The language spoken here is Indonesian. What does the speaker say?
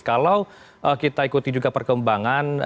kalau kita ikuti juga perkembangan